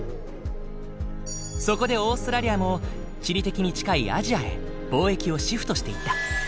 そこでオーストラリアも地理的に近いアジアへ貿易をシフトしていった。